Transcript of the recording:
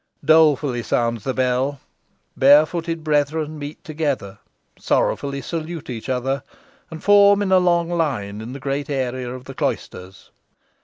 Dolefully sounds the bell. Barefooted brethren meet together, sorrowfully salute each other, and form in a long line in the great area of the cloisters.